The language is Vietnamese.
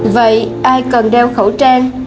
vậy ai cần đeo khẩu trang